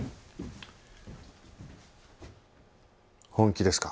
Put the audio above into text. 本気ですか？